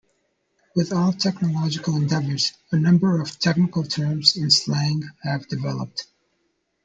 With all technological endeavours a number of technical terms and slang have developed.